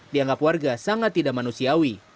dianggap warga sangat tidak manusiawi